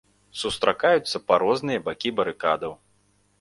Сустракаюцца па розныя бакі барыкадаў.